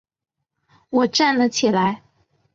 我站了起来